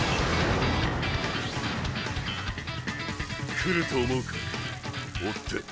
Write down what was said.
来ると思うか追って。